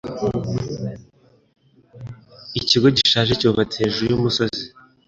Ikigo gishaje cyubatse hejuru yumusozi.